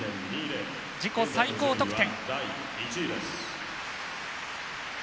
自己最高得点。